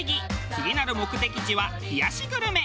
次なる目的地は冷やしグルメ。